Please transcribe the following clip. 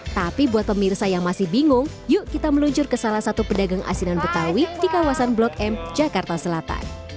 tapi buat pemirsa yang masih bingung yuk kita meluncur ke salah satu pedagang asinan betawi di kawasan blok m jakarta selatan